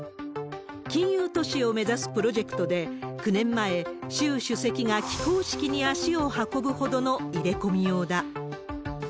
金融都市を目指すプロジェクトで、９年前、習主席が起工式に足を運ぶほどの入れ込みようだ。